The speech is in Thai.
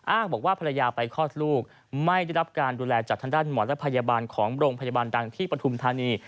บอกว่าภรรยาไปคลอดลูกไม่ได้รับการดูแลจากทางด้านหมอและพยาบาลของโรงพยาบาลดังที่ปฐุมธานี